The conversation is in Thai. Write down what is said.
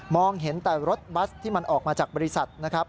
เห็นแต่รถบัสที่มันออกมาจากบริษัทนะครับ